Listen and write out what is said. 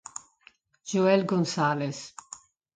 Joel González